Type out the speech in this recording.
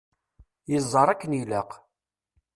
Yeẓẓar akken ilaq.